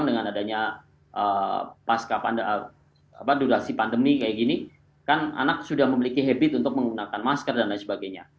dengan adanya pasca durasi pandemi kayak gini kan anak sudah memiliki habit untuk menggunakan masker dan lain sebagainya